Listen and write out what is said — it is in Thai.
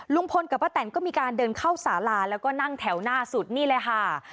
ลุงพลกับป้าแตนก็มีการเดินเข้าสาลาแล้วก็นั่งแถวหน้าสุดนี่แหละค่ะ